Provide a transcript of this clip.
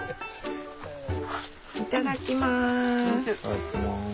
いただきます。